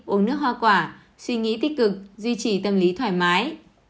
uống nước hoa quả suy nghĩ tích cực duy trì tâm lý thoải mái